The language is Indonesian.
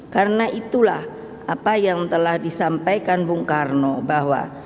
karena itulah apa yang telah disampaikan bung karno bahwa